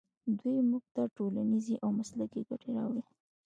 دوی موږ ته ټولنیزې او مسلکي ګټې راوړي.